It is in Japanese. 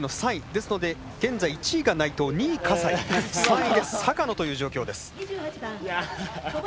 ですので現在１位が内藤２位、葛西３位で坂野という状況です。